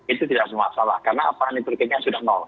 itu tidak semuanya salah karena pangan nitrogennya sudah nol